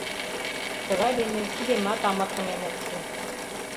Тыгай дене кидемат амыртымем ок шу!».